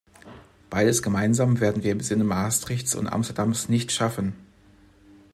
Beides gemeinsam werden wir im Sinne Maastrichts und Amsterdams nicht schaffen!